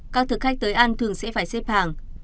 các thực khách tới ăn thường sẽ phải xếp hàng